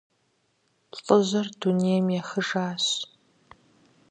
ЛӀыжьыр дунейм ехыжащ.